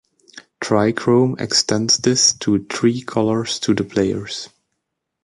Trichrome extends this to three colors to the players.